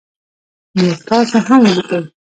نور تاسو هم ولیکی